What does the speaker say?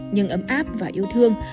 nhưng ấm áp và yêu thương